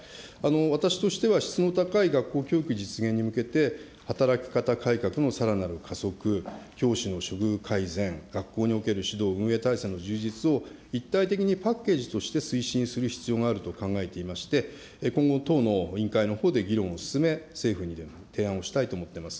私としては質の高い学校教育実現に向けて働き方改革のさらなる加速、教師の処遇改善、学校における指導運営体制の充実を一体的にパッケージとして推進する必要があると考えていまして、今後、党の委員会のほうで議論を進め、政府にでも提案をしたいと思っております。